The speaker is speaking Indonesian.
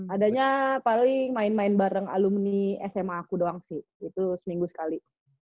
adanya paling main main bareng alumni sma aku doang sih itu seminggu sekali